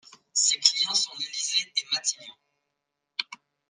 Ses clients sont l'Élysée et Matignon.